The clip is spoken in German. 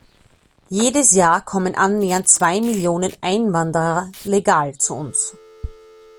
Jedes Jahr kommen annähernd zwei Millionen Einwanderer legal zu uns.